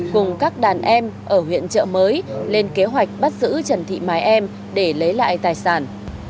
cùng các đàn em ở huyện trợ mới lên kế hoạch bắt giữ trần thị mái em để lấy lại tài sản